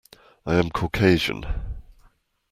I am Caucasian.